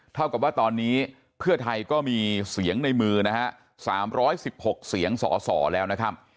เท่ากับว่าตอนนี้เพื่อไทยก็มีเสียงในมือนะฮะ๓๑๖เสียงสสแล้วนะครับ